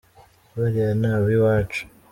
Bariya ni abi’iwacu